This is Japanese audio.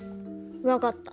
分かった。